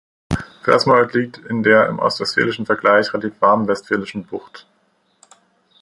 Versmold liegt in der im ostwestfälischen Vergleich relativ warmen Westfälischen Bucht.